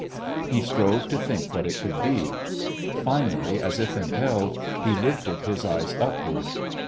He strove to think what it could be. Finally, as if impelled, he lifted his eyes upward.